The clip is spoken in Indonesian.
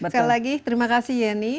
sekali lagi terima kasih yeni